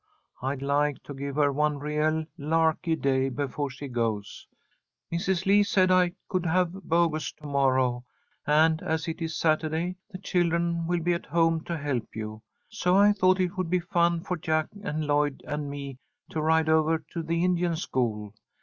I'd like to give her one real larky day before she goes. Mrs. Lee said that I could have Bogus to morrow, and, as it is Saturday, the children will be at home to help you. So I thought it would be fun for Jack and Lloyd and me to ride over to the Indian school.